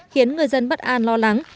khiến người dân bất an lo lắng